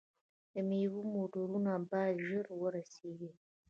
د میوو موټرونه باید ژر ورسیږي.